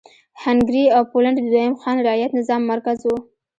هنګري او پولنډ د دویم خان رعیت نظام مرکز و.